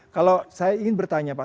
kalau saya ingin bertanya pak